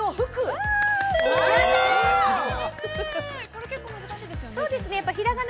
これ結構難しいですよね、先生。